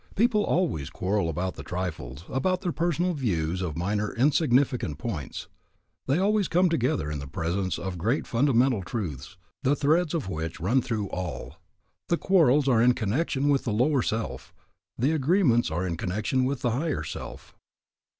People always quarrel about the trifles, about their personal views of minor insignificant points. They always come together in the presence of great fundamental truths, the threads of which run through all. The quarrels are in connection with the lower self, the agreements are in connection with the higher self.